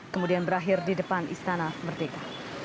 kemudian berakhir di depan istana merdeka